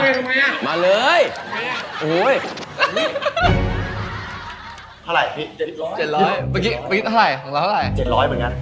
เท่าไรนี้เจ็ดรีปร้อยเจ็ดร้อยเมื่อกี้มีต่อไหร่ของเราเท่าไรเจ็ดร้อยเหมือนกัน